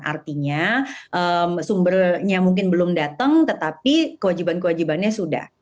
artinya sumbernya mungkin belum datang tetapi kewajiban kewajibannya sudah